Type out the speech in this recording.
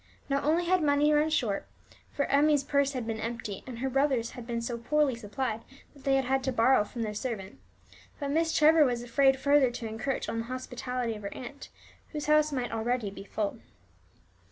Not only had money run short (for Emmie's purse had been empty, and her brother's had been so poorly supplied that they had had to borrow from their servant), but Miss Trevor was afraid further to encroach on the hospitality of her aunt, whose house might already be full.